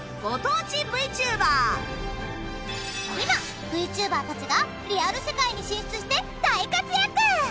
今ＶＴｕｂｅｒたちがリアル世界に進出して大活躍！